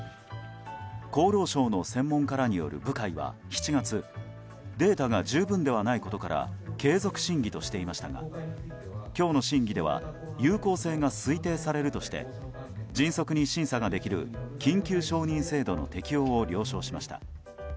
厚労省の専門家らによる部会は７月データが十分ではないことから継続審議としていましたが今日の審議では有効性が推定されるとして迅速に審査ができる緊急承認制度の適用を了承しました。